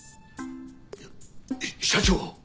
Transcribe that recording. いや社長。